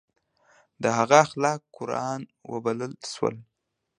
د هغه اخلاق قرآن وبلل شول.